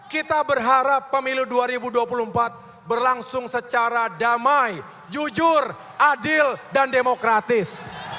kita berharap pemilu dua ribu dua puluh empat berlangsung secara damai jujur adil dan demokratis